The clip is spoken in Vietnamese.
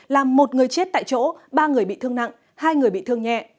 làm một người chết tại chỗ ba người bị thương nặng hai người bị thương nhẹ